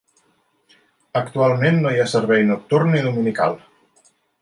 Actualment no hi ha servei nocturn ni dominical.